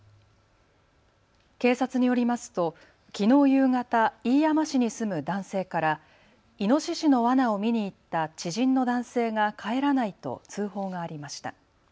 警察によりますときのう夕方、飯山市に住む男性からイノシシのわなを見に行った知人の男性が帰らないと通報がありました。